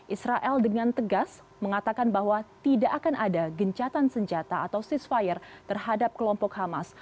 israel dengan tegas mengatakan bahwa tidak akan ada gencatan senjata atau sisfire terhadap kelompok hamas